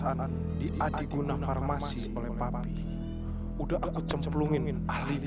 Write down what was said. kalau adik dina farmasi tahu gimana lemak buah tanaman langka itu